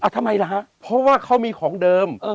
ทำไมล่ะฮะเพราะว่าเขามีของเดิม